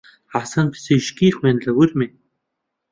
حەسەن پزیشکی خوێند لە ورمێ.